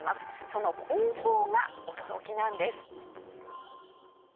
その方法が驚きなんです。